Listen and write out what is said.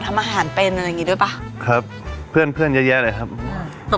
ทำอาหารเป็นอะไรอย่างงี้ด้วยป่ะครับเพื่อนเพื่อนเยอะแยะเลยครับอืม